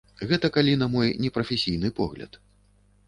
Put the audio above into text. Гэта калі на мой непрафесійны погляд.